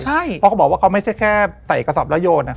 ใช่เพราะเขาบอกว่าเขาไม่ใช่แค่ใส่กระสอบแล้วโยน